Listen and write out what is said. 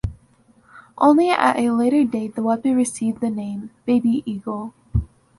Only at a later date the weapon received the name "Baby Eagle".